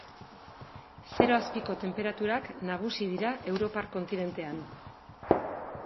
Zero azpiko tenperaturak nagusi dira europar kontinentean.